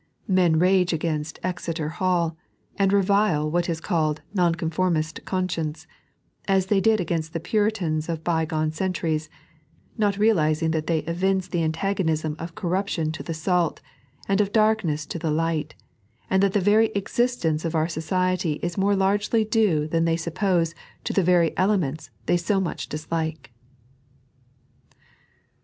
Men rage against " Exeter Hall," and revile what is called " the Nonconformist Conscience," as they did against the Puritans of bygone centuries, not realizing that they evince the antagonism of corruption to the s^t, and of darkness to the light, and that the very existence of our society is more largely due than they suppose to the very elements they so much dislike.